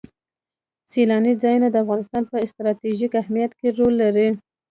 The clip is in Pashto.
سیلانی ځایونه د افغانستان په ستراتیژیک اهمیت کې رول لري.